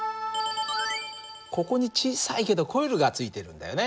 ここに小さいけどコイルがついているんだよね。